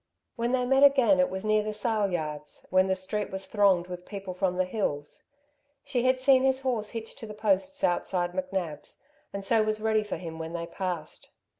When they met again it was near the sale yards, when the street was thronged with people from the hills. She had seen his horse hitched to the posts outside McNab's, and so was ready for him when they passed.